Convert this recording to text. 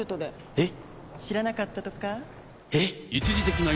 えっ⁉